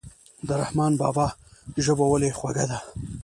د رحمان بابا ژبه ولې خوږه ده.